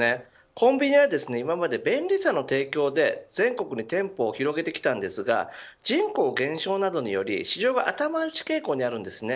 コンビニは今まで便利さの提供で全国に店舗を広げてきたんですが人口の減少などにより市場が頭打ち傾向にあります。